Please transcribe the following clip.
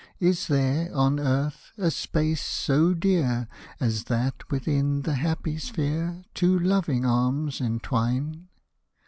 Is there, on earth, a space so dear As that within the happy sphere Two loving arms entwine